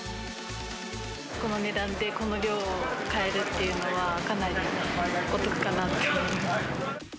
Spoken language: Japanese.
この値段でこの量、買えるっていうのは、かなりお得かなって思います。